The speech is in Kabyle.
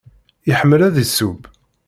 Iḥemmel ad yesseww?